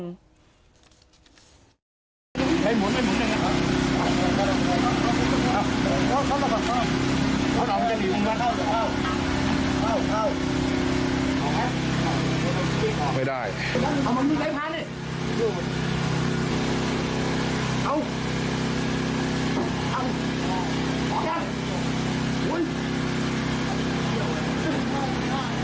ก็ถึงว่าไม่หมุนไม่หมุนได้แล้วกัน